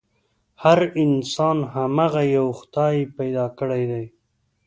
هر انسان هماغه يوه خدای پيدا کړی دی.